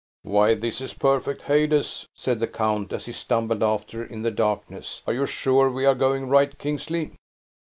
"Why, this is a perfect Hades!" said the count, as he stumbled after, in the darkness. "Are you sure we are going right, Kingsley?"